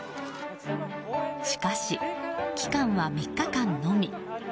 しかし期間は３日間のみ。